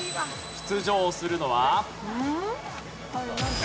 出場するのは。